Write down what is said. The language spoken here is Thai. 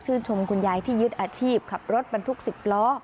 ชมคุณยายที่ยึดอาชีพขับรถบรรทุก๑๐ล้อ